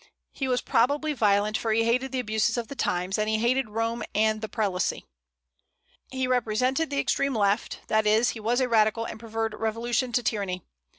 He was probably violent, for he hated the abuses of the times, and he hated Rome and the prelacy. He represented the extreme left; that is, he was a radical, and preferred revolution to tyranny.